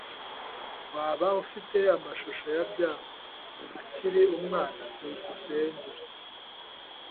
Waba ufite amashusho ya byambo akiri umwana? byukusenge